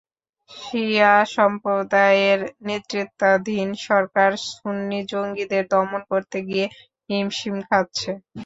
শিয়া সম্প্রদায়ের নেতৃত্বাধীন সরকার সুন্নি জঙ্গিদের দমন করতে গিয়ে হিমশিম খাচ্ছে।